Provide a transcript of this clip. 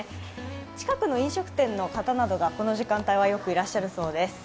近くの飲食店の方などがこの時間帯はよくいらっしゃるそうです